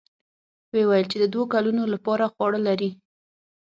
ويې ويل چې د دوو کلونو له پاره خواړه لري.